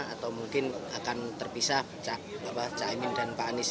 atau mungkin akan terpisah caimin dan pak anies